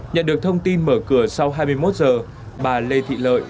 nhận được thông tin mở cửa sau hai mươi một giờ bà lê thị lợi